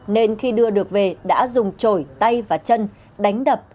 nên khi đưa được về đã dùng trổi tay và chân đánh đập